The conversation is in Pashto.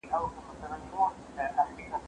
زه له سهاره بوټونه پاکوم!؟